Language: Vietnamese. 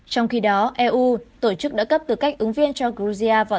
trong khi đó eu tổ chức đã cấp tư cách ứng viên cho georgia